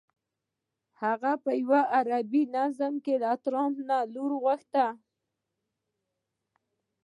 هغه په یوه عربي نظم کې له ټرمپ نه لور غوښتې.